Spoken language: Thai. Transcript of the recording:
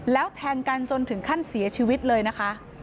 แล้วแทงกันจนถึงขั้นเสียชีวิตเลยนะคะ